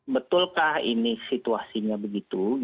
betulkah ini situasinya begitu